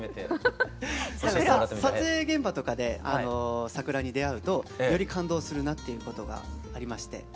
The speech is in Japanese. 撮影現場とかで桜に出会うとより感動するなっていうことがありまして。